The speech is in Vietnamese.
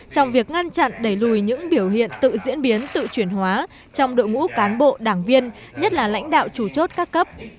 trong việc ngăn chặn đẩy lùi những biểu hiện tự diễn biến tự chuyển hóa trong đội ngũ cán bộ đảng viên nhất là lãnh đạo chủ chốt các cấp